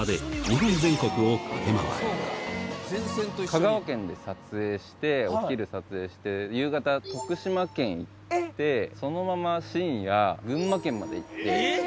香川県で撮影してお昼撮影して夕方徳島県行ってそのまま深夜群馬県まで行って。